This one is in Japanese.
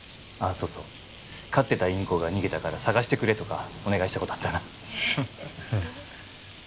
そうそう飼ってたインコが逃げたから捜してくれとかお願いしたことあったなえっ？